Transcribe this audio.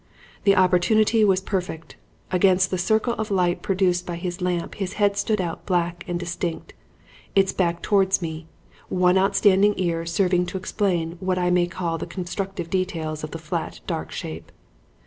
"The opportunity was perfect. Against the circle of light produced by his lamp his head stood out black and distinct, its back towards me, one outstanding ear serving to explain what I may call the constructive details of the flat, dark shape.